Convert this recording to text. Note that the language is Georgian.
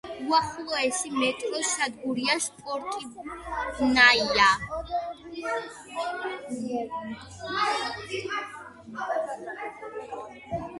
უახლოესი მეტროს სადგურია „სპორტივნაია“.